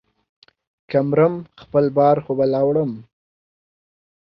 که مرم ، خپل بار خو به لا وړم.